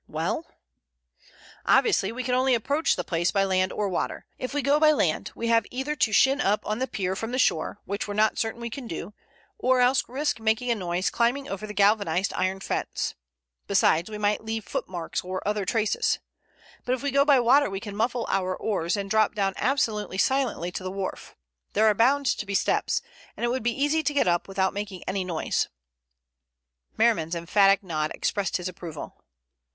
"Well?" "Obviously we can only approach the place by land or water. If we go by land we have either to shin up on the pier from the shore, which we're not certain we can do, or else risk making a noise climbing over the galvanized iron fence. Besides we might leave footmarks or other traces. But if we go by water we can muffle our oars and drop down absolutely silently to the wharf. There are bound to be steps, and it would be easy to get up without making any noise." Merriman's emphatic nod expressed his approval.